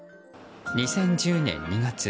２０１０年２月。